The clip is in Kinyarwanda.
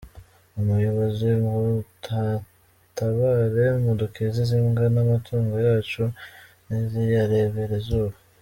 Ubuyobozi budutabare budukize izi mbwa n’amatungo yacu ntiziyarebera izuba.